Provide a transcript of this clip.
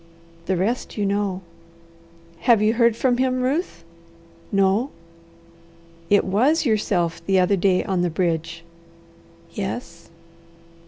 The rest you know." "Have you heard from him, Ruth?" "No." "It WAS yourself the other day on the bridge?" "Yes."